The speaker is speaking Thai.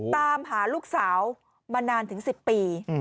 ตามหาลูกสาวมานานถึง๑๐ปี